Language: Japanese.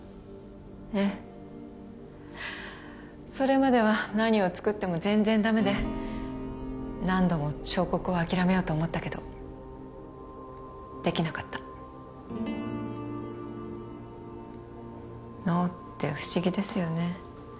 ええそれまでは何を作っても全然ダメで何度も彫刻を諦めようと思ったけどできなかった脳って不思議ですよね